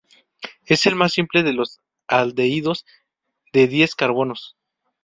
Es el más simple de los aldehídos de diez carbonos.